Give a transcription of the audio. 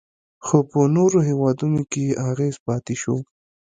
خو په نورو هیوادونو کې یې اغیز پاتې شو